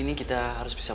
mungkin kita bisa berbicara